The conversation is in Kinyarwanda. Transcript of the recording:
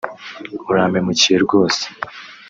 “ Urampemukiye rwose”